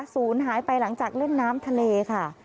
ศูนย์หายไปหลังจากเล่นน้ำทะเลค่ะ